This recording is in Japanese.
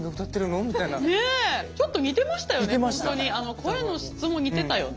声の質も似てたよね。